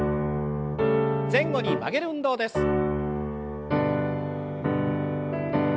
前後に曲げる運動です。